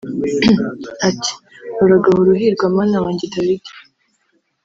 ati “uragahora uhirwa mwana wanjye dawidi